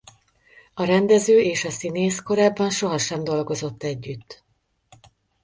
A rendező és a színész korábban sohasem dolgozott együtt.